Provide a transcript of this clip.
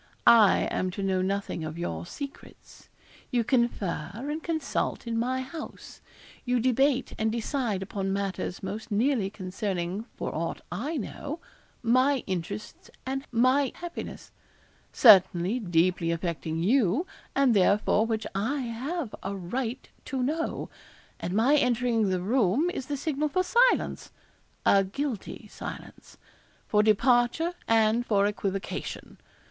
I am to know nothing of your secrets. You confer and consult in my house you debate and decide upon matters most nearly concerning, for aught I know, my interests and my happiness certainly deeply affecting you, and therefore which I have a right to know; and my entering the room is the signal for silence a guilty silence for departure and for equivocation.